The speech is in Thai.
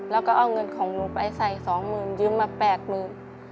แล้วก็เอาเงินของหนูไปใส่สองหมื่นยืมมาแปลกหมื่น